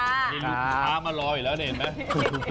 ยังยุ่งลูกค้าก็มารออีกแล้วนี่เห็นไหม